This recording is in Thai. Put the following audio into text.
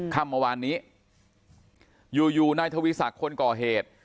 ค่ำมาวานนี้อยู่นายทวีสักคนก่อเหตุ